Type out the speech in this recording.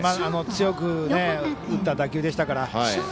強く打った打球でしたから。